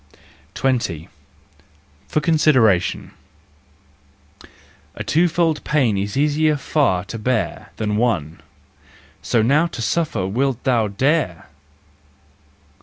20. For Consideration . A twofold pain is easier far to bear Than one: so now to suffer wilt thou dare